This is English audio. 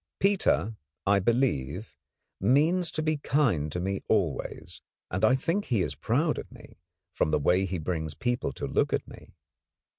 Peter, I believe, means to be kind to me always, and I think he is proud of me, from the way he brings people to look at me.